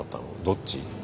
どっち？